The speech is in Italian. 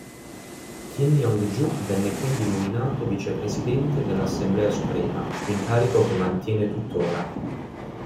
Kim Yong-ju venne quindi nominato Vicepresidente dell'Assemblea suprema, incarico che mantiene tuttora.